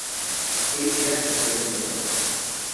Él era socialdemócrata.